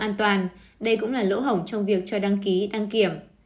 trọng lượng an toàn đây cũng là lỗ hổng trong việc cho đăng ký đăng kiểm